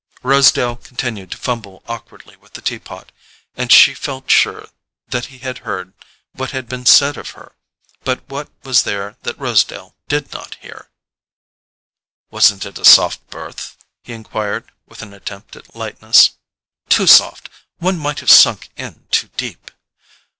Rosedale continued to fumble awkwardly with the tea pot, and she felt sure that he had heard what had been said of her. But what was there that Rosedale did not hear? "Wasn't it a soft berth?" he enquired, with an attempt at lightness. "Too soft—one might have sunk in too deep."